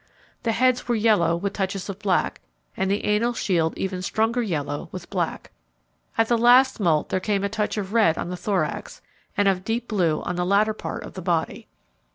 The heads were yellow with touches of black, and the anal shield even stronger yellow, with black. At the last moult there came a touch of red on the thorax, and of deep blue on the latter part of the body.